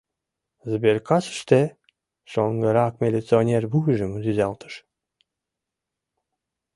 Сберкассыште? — шоҥгырак милиционер вуйжым рӱзалтыш.